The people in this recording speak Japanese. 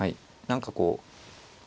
何かこう。